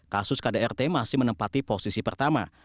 kasus kdrt masih menempati posisi pertama